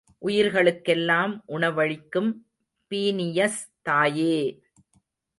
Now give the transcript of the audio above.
உயிர்களுக்கெல்லாம் உணவளிக்கும் பீனியஸ் தாயே!